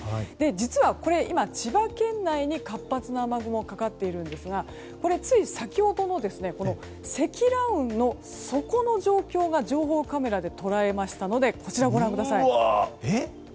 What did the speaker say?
実は今、千葉県内に活発な雨雲がかかっているんですがつい先ほど積乱雲の底の情報が情報カメラで捉えられましたのでご覧ください。